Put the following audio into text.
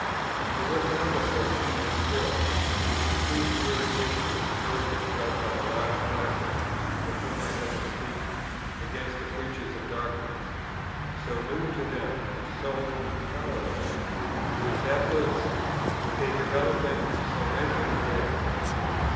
There was another circumstance still, which increased the irritation and aversion felt by the large classes, of whom I have been speaking, against the preachers of doctrines, so new to them and so unpalatable; and that was, that they developed them in so measured a way.